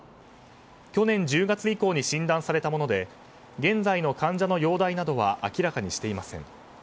去年１０月以降に診断されたもので現在の患者の容体などは明らかにしていません。